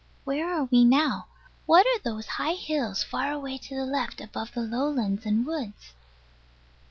Where are we now? What are those high hills, far away to the left, above the lowlands and woods?